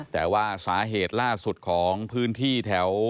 แต่ว่าสาเหตุล่าสุดของพื้นที่แถว